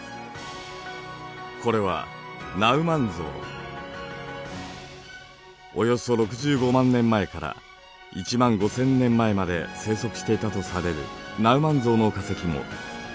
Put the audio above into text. これはおよそ６５万年前から１万５，０００年前まで生息していたとされるナウマンゾウの化石も示準化石の一つです。